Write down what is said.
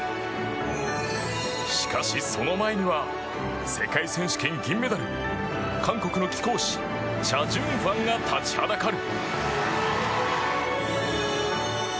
しかし、その前には世界選手権銀メダル韓国の貴公子チャ・ジュンファンが立ちはだかる。